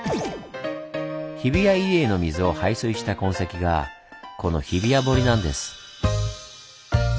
日比谷入江の水を排水した痕跡がこの日比谷堀なんです。